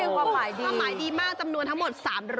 ความหมายดีมากจำนวนทั้งหมด๓๐๐